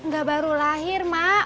gak baru lahir mak